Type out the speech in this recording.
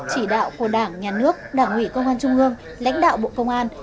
chỉ đạo của đảng nhà nước đảng ủy công an trung ương lãnh đạo bộ công an